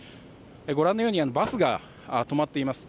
ご覧のようにバスが止まっています。